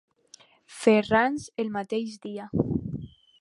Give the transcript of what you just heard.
Ferrans el mateix dia.